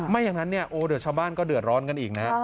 อย่างนั้นเนี่ยโอ้เดี๋ยวชาวบ้านก็เดือดร้อนกันอีกนะฮะ